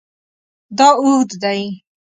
دا اوږد دی